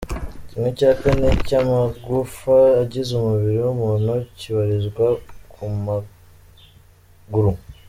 Kimwe cya kane cy’amagufa agize umubiri w’umuntu kibarizwa ku maguru.